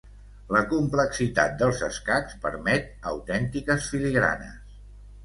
La complexitat dels escacs permet autèntiques filigranes.